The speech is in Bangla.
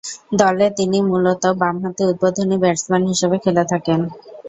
দলে তিনি মূলতঃ বামহাতি উদ্বোধনী ব্যাটসম্যান হিসেবে খেলে থাকেন।